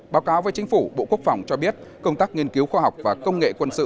báo cáo với chính phủ bộ quốc phòng cho biết công tác nghiên cứu khoa học và công nghệ quân sự